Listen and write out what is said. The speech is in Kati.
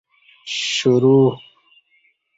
شُرو